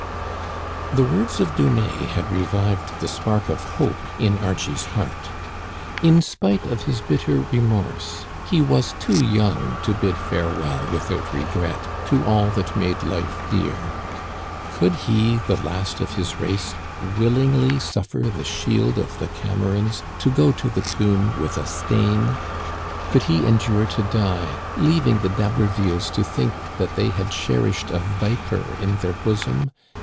The words of Dumais had revived the spark of hope in Archie's heart. In spite of his bitter remorse, he was too young to bid farewell without regret to all that made life dear. Could he, the last of his race, willingly suffer the shield of the Camerons to go to the tomb with a stain ? Could he endure to die, leaving the D'Haber villes to think that they had cherished a viper in their bosom